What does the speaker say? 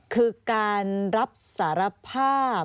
คือการรับสารภาพ